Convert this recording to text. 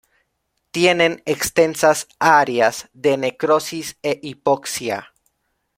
Tienen extensas áreas de necrosis e hipoxia.